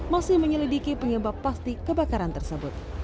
masih menyelidiki penyebab pasti kebakaran tersebut